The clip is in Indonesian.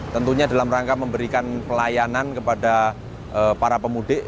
tentunya dalam rangka memberikan pelayanan kepada para pemudik